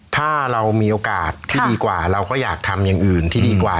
ถ้าเรามีโอกาสที่ดีกว่าเราก็อยากทำอย่างอื่นที่ดีกว่า